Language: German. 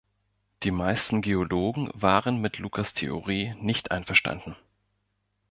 Die meisten Geologen waren mit Lucas' Theorie nicht einverstanden.